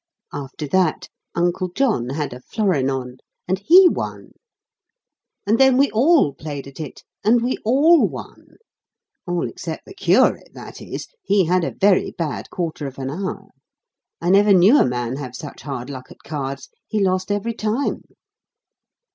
After that, Uncle John had a florin on, and HE won. And then we all played at it; and we all won. All except the curate, that is. He had a very bad quarter of an hour. I never knew a man have such hard luck at cards. He lost every time.